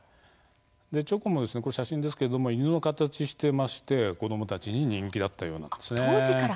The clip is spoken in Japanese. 写真ですけれども犬の形をしていまして子どもたちに人気だったようです。